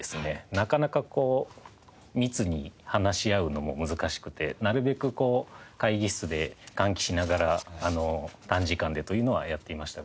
なかなかこう密に話し合うのも難しくてなるべく会議室で換気しながら短時間でというのはやっていましたが。